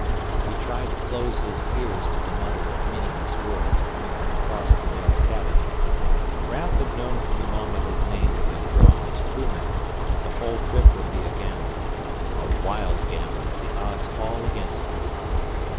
He tried to close his ears to the mutter of meaningless words coming from across the narrow cabin. Raf had known from the moment his name had been drawn as crew member that the whole trip would be a gamble, a wild gamble with the odds all against them.